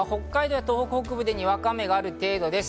北海道や東北北部でにわか雨がある程度です。